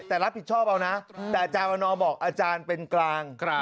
แต่รับผิดชอบเอานะแต่อาจารย์วันนอบอกอาจารย์เป็นกลาง